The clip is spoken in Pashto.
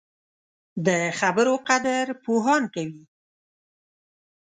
د خبرو قدر پوهان کوي